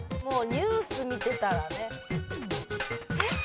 もうニュース見てたらね。